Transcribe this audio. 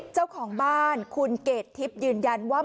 เจ้าของบ้านคุณเกดทิพย์ยืนยันว่า